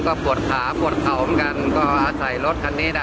ก็ปวดขาปวดเข่าเหมือนกันก็อาศัยรถคันนี้ได้